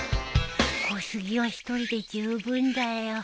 小杉は一人で十分だよ。